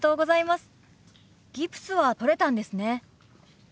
ギプスは取れたんですね。